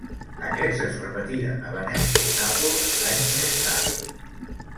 Aquests es repetiren a Venècia i Nàpols anys més tard.